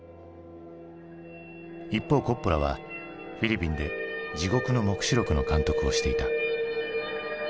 一方コッポラはフィリピンで「地獄の黙示録」の監督をしていた。